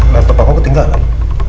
lantai pak aku ketinggalan